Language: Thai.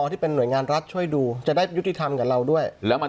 ที่เป็นหน่วยงานรัฐช่วยดูจะได้ยุติธรรมกับเราด้วยแล้วมัน